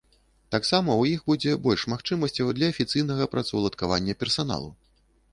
Таксама ў іх будзе больш магчымасцяў для афіцыйнага працаўладкавання персаналу.